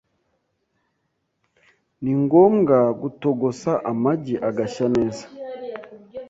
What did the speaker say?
Ni ngombwa gutogosa amagi agashya neza,